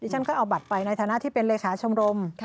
ฉันก็เอาบัตรไปในฐานะที่เป็นเลขาชมรม